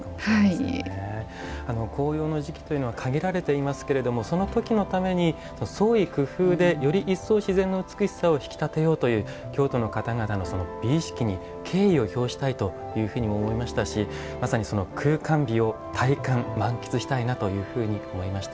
紅葉の時期というのは限られていますけれどもそのときのために、創意工夫でより一層自然の美しさを際立てようという京都の方々の美意識に敬意を表したいと思いましたしまさにその空間美を体感、満喫したいなというふうに思いました。